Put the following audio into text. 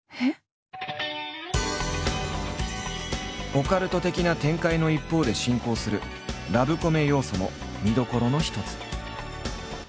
オカルト的な展開の一方で進行するラブコメ要素も見どころの一つ。